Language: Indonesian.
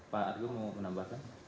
pak argo mau menambahkan